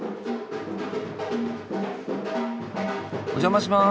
お邪魔します。